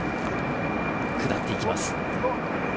下っていきます。